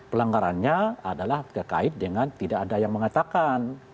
pelanggarannya adalah terkait dengan tidak ada yang mengatakan